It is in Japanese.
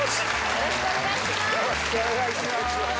よろしくお願いします。